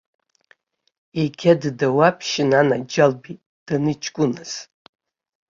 Егьа ддауаԥшьын, анаџьалбеит, даныҷкәыназ.